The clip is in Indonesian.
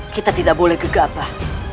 kita tidak boleh gegabah